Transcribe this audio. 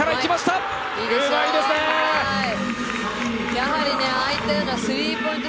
やはりああいったようなスリーポイント